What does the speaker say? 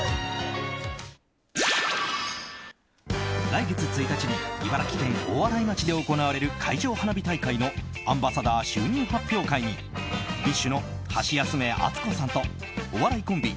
来月１日に茨城県大洗町で行われる海上花火大会のアンバサダー就任発表会にＢｉＳＨのハシヤスメ・アツコさんとお笑いコンビ